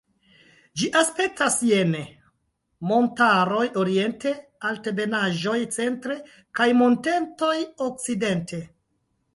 Ĝi aspektas jene: montaroj oriente, altebenaĵoj centre kaj montetoj okcidente.